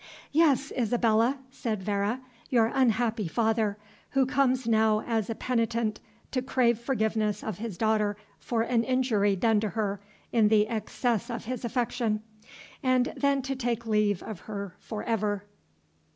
"Yes, Isabella," said Vere, "your unhappy father, who comes now as a penitent to crave forgiveness of his daughter for an injury done to her in the excess of his affection, and then to take leave of her for ever."